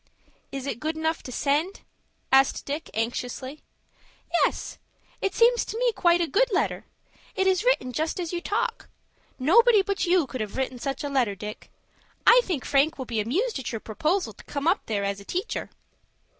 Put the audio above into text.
"Is it good enough to send?" asked Dick, anxiously. "Yes; it seems to me to be quite a good letter. It is written just as you talk. Nobody but you could have written such a letter, Dick. I think Frank will be amused at your proposal to come up there as teacher."